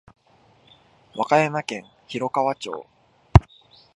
和歌山県広川町